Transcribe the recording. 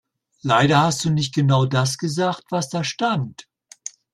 Leider hast du nicht genau das gesagt, was da stand.